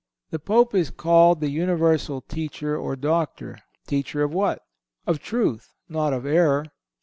The Pope is called the universal teacher or doctor. Teacher of what? Of truth, not of error.